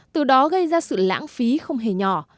từ đó gây ra sự lãng phí không hề nhỏ